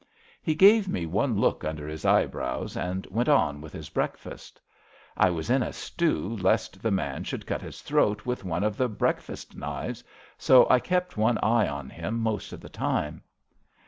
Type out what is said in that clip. He gave me one look under his eyebrows and went on with his breakfast. I was in a stew lest the man should cut his throat with one of the break fast knives, so I kept one eye on him most of the time.